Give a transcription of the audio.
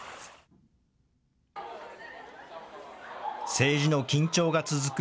政治の緊張が続く